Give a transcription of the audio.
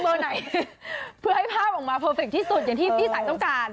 ไหนเพื่อให้ภาพออกมาเพอร์เฟคที่สุดอย่างที่พี่สายต้องการ